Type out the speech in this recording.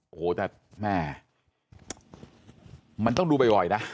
โอ้โหแต่แม่มันต้องดูบ่อยนะ